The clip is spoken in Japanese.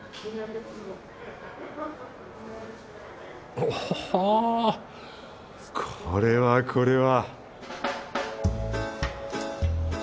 おぉこれはこれは